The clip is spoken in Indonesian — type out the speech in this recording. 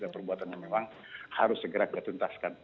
jadi kembangannya memang harus segera dituntaskan